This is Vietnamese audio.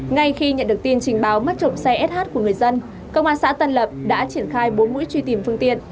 ngay khi nhận được tin trình báo mất trộm xe sh của người dân công an xã tân lập đã triển khai bốn mũi truy tìm phương tiện